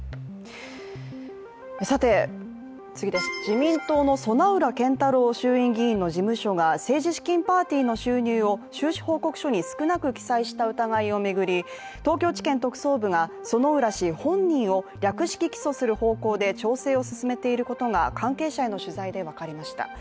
自民党の薗浦健太郎衆院議員の事務所が清治資金パーティーの収入を収支報告書に少なく記載した疑いを巡り東京地検特捜部が薗浦氏本人を略式起訴する方向で調整を進めていることが関係者への取材で分かりました。